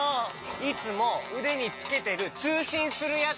いつもうでにつけてるつうしんするやつ！